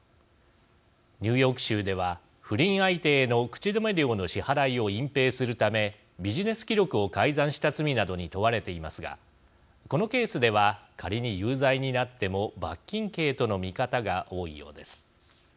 ニューヨーク州では不倫相手への口止め料の支払いを隠ぺいするためビジネス記録を改ざんした罪などに問われていますがこのケースでは仮に有罪になっても罰金刑との見方が多いようです。